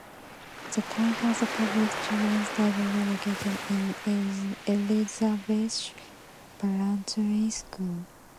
The town has a public children's library located in Elizabeth Ballantyne school.